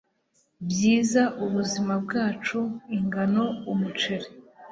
byiza ubuzima bwacu. Ingano, umuceri,